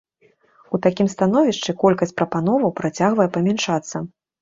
У такім становішчы колькасць прапановаў працягвае памяншацца.